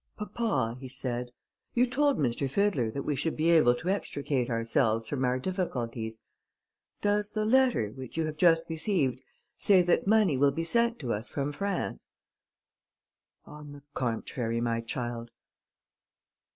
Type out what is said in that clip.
"Papa," he said, "you told M. Fiddler that we should be able to extricate ourselves from our difficulties; does the letter, which you have just received, say that money will be sent to us from France?" "On the contrary, my child."